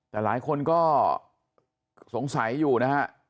แต่หลายคนก็สงสัยอยู่นะฮะ